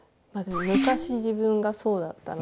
昔自分がそうだったので。